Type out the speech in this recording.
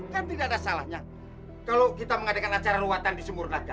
kan tidak ada salahnya kalau kita mengadakan acara ruatan di sumur raga